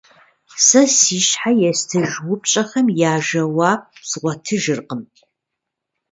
Сэ си щхьэ естыж упщӏэхэм я жэуап згъуэтыжыркъм.